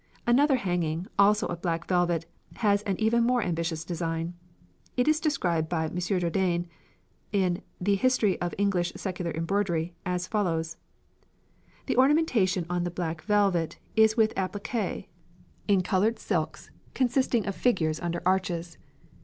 Another hanging, also of black velvet, has an even more ambitious design. It is described by M. Jourdain in "The History of English Secular Embroidery" as follows: "The ornamentation on the black velvet is with appliqué in coloured silks consisting of figures under arches.